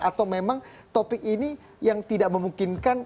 atau memang topik ini yang tidak memungkinkan